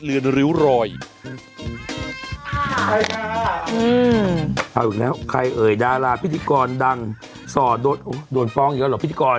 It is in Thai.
เอาอีกแล้วใครเอ่ยดาราพิธีกรดังส่อโดนฟ้องอีกแล้วเหรอพิธีกร